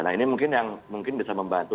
nah ini mungkin yang mungkin bisa membantu